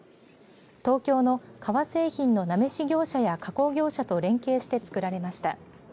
東京の革製品のなめし業者や加工業者と連携してつくられました。